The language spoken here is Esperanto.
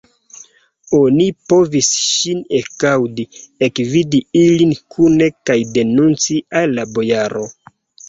Oni povis ŝin ekaŭdi, ekvidi ilin kune kaj denunci al la bojaro.